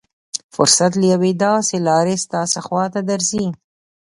فرصت له يوې داسې لارې ستاسې خوا ته درځي.